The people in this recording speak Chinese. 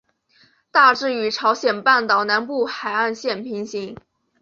大致与朝鲜半岛南部海岸线平行。